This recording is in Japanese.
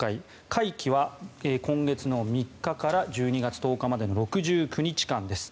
会期は今月３日から１２月１０日までの６９日間です。